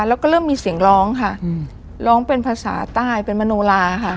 แล้วก็เริ่มมีเสียงร้องค่ะร้องเป็นภาษาใต้เป็นมโนลาค่ะ